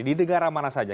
di negara mana saja